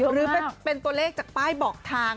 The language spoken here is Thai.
หรือเป็นตัวเลขจากป้ายบอกทาง